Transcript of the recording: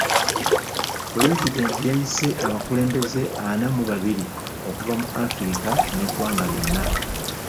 Pulezidenti yayise abakulembeze ana mu babiri okuva mu Afirika n'eggwanga lyonna.